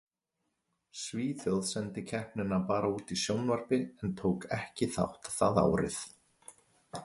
Svíþjóð sendi keppnina bara út í útvarpi en tók ekki þátt það ár.